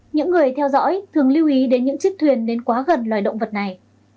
những người theo dõi thường lưu ý đến những chiếc thuyền đến quá gần loài động vật này